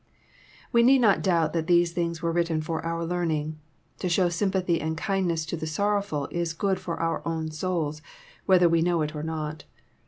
We need not doubt that these things were written for our learning. To show sympathy and kindness to the sorrowful is good for our own souls, whether we know it or not.